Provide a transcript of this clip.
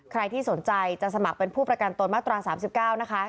ใครที่สนใจจะสมัครเป็นผู้ประกันตนมาตรา๓๙นะคะ